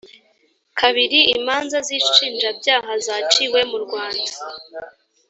kabiri imanza z inshinjabyaha zaciwe murwanda